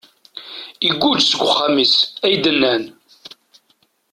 Igguǧ seg uxxam-is, ay d-nnan.